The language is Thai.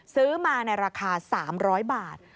ซื้อมาในราคา๓๐๐บาท